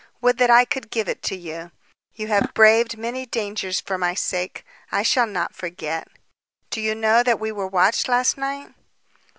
Would that I could give it to you. You have braved many dangers for my sake. I shall not forget. Do you know that we were watched last night?"